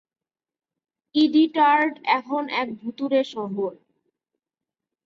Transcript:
ইদিটারড এখন এক ভূতুড়ে শহর।